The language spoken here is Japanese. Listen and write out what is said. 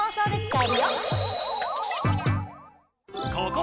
え？